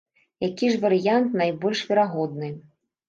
Які ж варыянт найбольш верагодны?